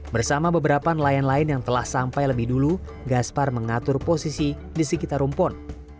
bersama beberapa nelayan lain yang telah sampai lebih dulu gaspar mengatur posisi di sekitar rumpon